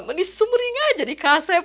menis sumring aja dikasih